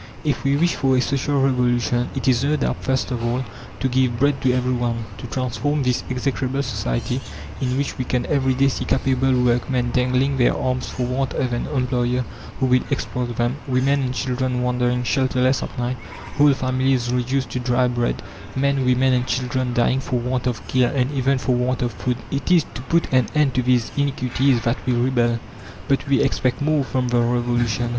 If we wish for a Social Revolution, it is no doubt, first of all, to give bread to everyone; to transform this execrable society, in which we can every day see capable workmen dangling their arms for want of an employer who will exploit them; women and children wandering shelterless at night; whole families reduced to dry bread; men, women, and children dying for want of care and even for want of food. It is to put an end to these iniquities that we rebel. But we expect more from the Revolution.